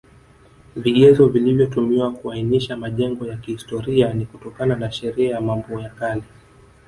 Vigezo vilivyotumiwa kuainisha majengo ya kihistoria ni kutokana na Sheria ya Mambo ya kale